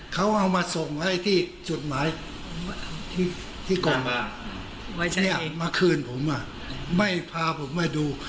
เขาเอามาส่งไว้ที่จุดหมายที่กล่องมาคืนผมไม่พาผมมาดู